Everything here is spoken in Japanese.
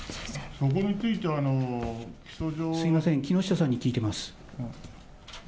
そこについては、あのー、すみません、木下さんに聞いてます。